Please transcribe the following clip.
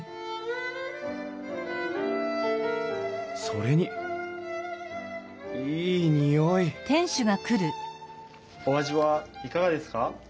それにいい匂いお味はいかがですか？